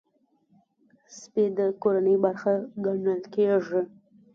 سپي د کورنۍ برخه ګڼل کېږي.